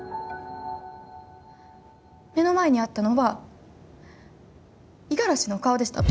目の前にあったのは五十嵐の顔でした。